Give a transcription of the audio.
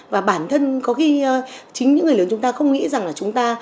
và bản thân có khi chính những người lớn chúng ta không nghĩ rằng là chúng ta